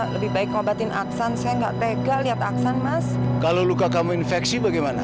lebih baik ngobatin aksan saya nggak tega lihat aksan mas kalau luka kamu infeksi bagaimana